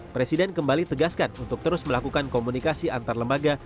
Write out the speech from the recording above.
presiden kembali tegaskan untuk terus melakukan komunikasi antar lembaga